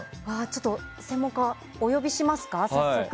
専門家、お呼びしますか早速。